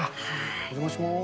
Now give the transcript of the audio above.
お邪魔します。